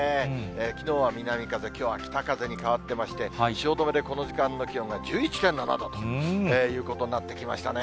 きのうは南風、きょうは北風に変わってまして、汐留でこの時間の気温が１１．７度ということになってきましたね。